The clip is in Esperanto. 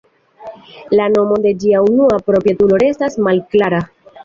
La nomo de ĝia unua proprietulo restas malklara.